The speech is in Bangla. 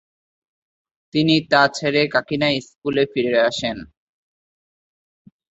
তিনি তা ছেড়ে কাকিনা স্কুলে ফিরে আসেন।